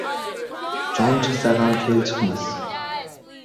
• Jon chiqsa ham fe’l chiqmas.